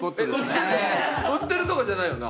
売ってるとかじゃないよな？